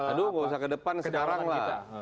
aduh gak usah ke depan sekarang lah